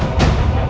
aku akan menang